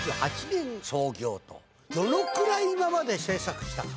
どのくらい今まで製作したか。